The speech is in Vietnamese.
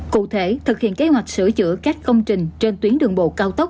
cụ thể thực hiện kế hoạch sửa chữa các công trình trên tuyến đường bộ cao tốc